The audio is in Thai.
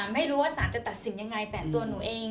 ไม่รู้ว่าสารจะตัดสินยังไงแต่ตัวหนูเอง